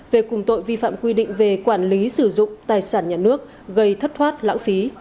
về cùng tội vi phạm quy định về quản lý sử dụng tài sản nhà nước gây thất thoát lãng phí